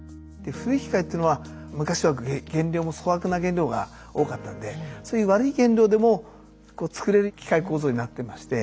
古い機械ってのは昔は原料も粗悪な原料が多かったんでそういう悪い原料でも作れる機械構造になってまして。